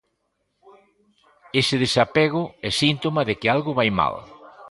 Ese desapego é síntoma de que algo vai mal.